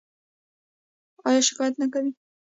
ایا شکایت نه کوئ؟